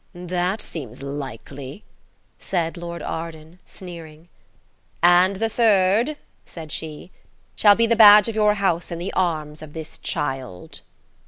"That seems likely," said Lord Arden, sneering. "And the third," said she, "shall be the badge of your house in the arms of this child."